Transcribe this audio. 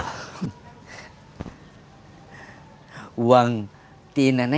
tunggu sebentar ya pak